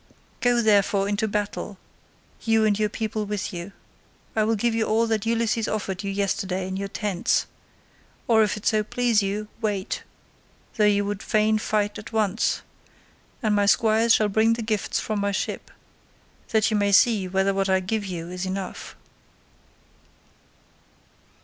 Go, therefore, into battle, you and your people with you. I will give you all that Ulysses offered you yesterday in your tents: or if it so please you, wait, though you would fain fight at once, and my squires shall bring the gifts from my ship, that you may see whether what I give you is enough."